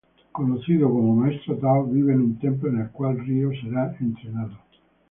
Conocida como "Maestro Tao", vive en un templo en el cual Ryo será entrenado.